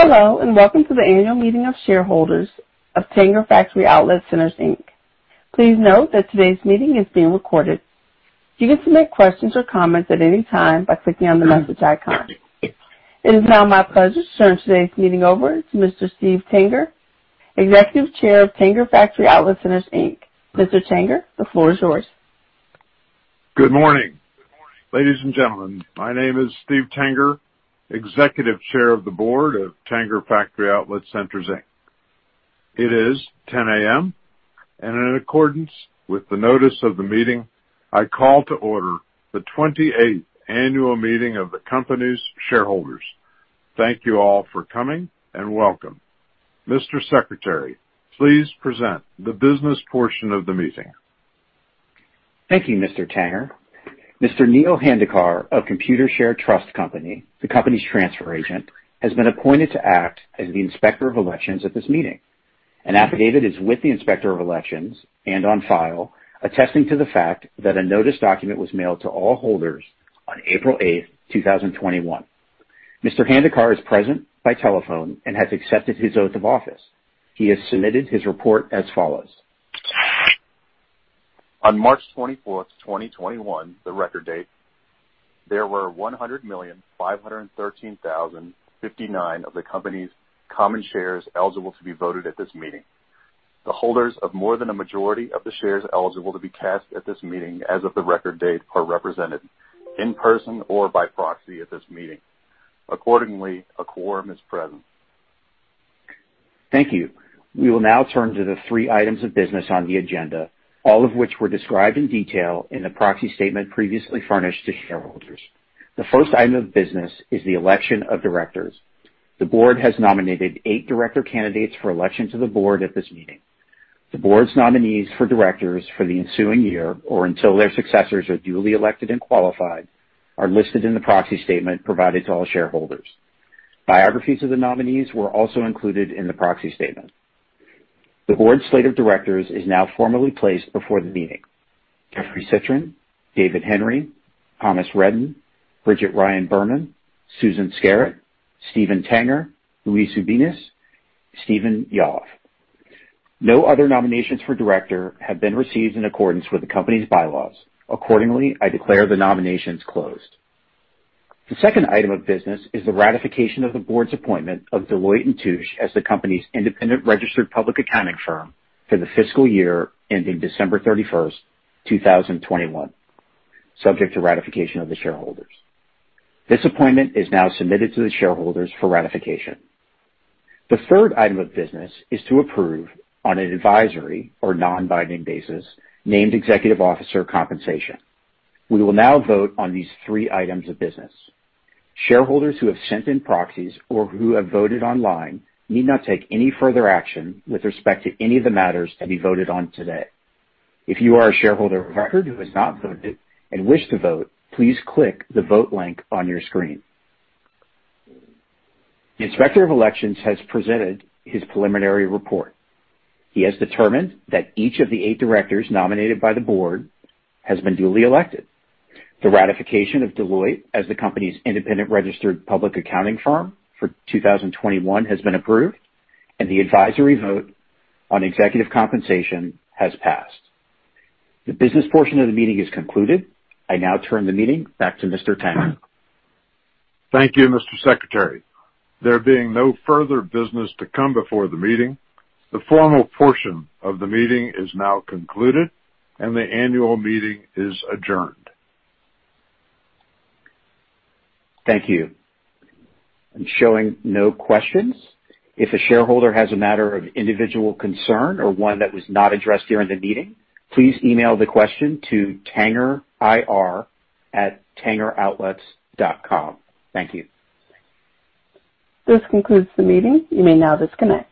Hello, welcome to the Annual Meeting of Shareholders of Tanger Factory Outlet Centers, Inc. Please note that today's meeting is being recorded. You can submit questions or comments at any time by clicking on the message icon. It is now my pleasure to turn today's meeting over to Mr. Steve Tanger, Executive Chair of Tanger Factory Outlet Centers, Inc. Mr. Tanger, the floor is yours. Good morning, ladies and gentlemen. My name is Steve Tanger, Executive Chair of the Board of Tanger Factory Outlet Centers, Inc. It is 10:00 A.M., and in accordance with the notice of the meeting, I call to order the 28th annual meeting of the company's shareholders. Thank you all for coming, and welcome. Mr. Secretary, please present the business portion of the meeting. Thank you, Mr. Tanger. Mr. Neil Handiekar of Computershare Trust Company, the company's transfer agent, has been appointed to act as the Inspector of Elections at this meeting. An affidavit is with the Inspector of Elections and on file attesting to the fact that a notice document was mailed to all holders on April 8th, 2021. Mr. Handiekar is present by telephone and has accepted his oath of office. He has submitted his report as follows. On March 24th, 2021, the record date, there were 100,513,059 of the company's common shares eligible to be voted at this meeting. The holders of more than a majority of the shares eligible to be cast at this meeting as of the record date are represented in person or by proxy at this meeting. A quorum is present. Thank you. We will now turn to the three items of business on the agenda, all of which were described in detail in the proxy statement previously furnished to shareholders. The first item of business is the election of directors. The board has nominated eight director candidates for election to the board at this meeting. The board's nominees for directors for the ensuing year, or until their successors are duly elected and qualified, are listed in the proxy statement provided to all shareholders. Biographies of the nominees were also included in the proxy statement. The board slate of directors is now formally placed before the meeting. Jeffrey Citrin, David Henry, Thomas Reddin, Bridget Ryan-Berman, Susan Skerritt, Steven Tanger, Luis Ubiñas, Stephen Yalof. No other nominations for director have been received in accordance with the company's bylaws. Accordingly, I declare the nominations closed. The second item of business is the ratification of the board's appointment of Deloitte & Touche as the company's independent registered public accounting firm for the fiscal year ending December 31st, 2021, subject to ratification of the shareholders. This appointment is now submitted to the shareholders for ratification. The third item of business is to approve on an advisory or non-binding basis named executive officer compensation. We will now vote on these three items of business. Shareholders who have sent in proxies or who have voted online need not take any further action with respect to any of the matters to be voted on today. If you are a shareholder of record who has not voted and wish to vote, please click the vote link on your screen. The Inspector of Elections has presented his preliminary report. He has determined that each of the eight directors nominated by the board has been duly elected. The ratification of Deloitte as the company's independent registered public accounting firm for 2021 has been approved, and the advisory vote on executive compensation has passed. The business portion of the meeting is concluded. I now turn the meeting back to Mr. Tanger. Thank you, Mr. Secretary. There being no further business to come before the meeting, the formal portion of the meeting is now concluded and the annual meeting is adjourned. Thank you. I'm showing no questions. If a shareholder has a matter of individual concern or one that was not addressed during the meeting, please email the question to tangerir@tangeroutlets.com. Thank you. This concludes the meeting. You may now disconnect.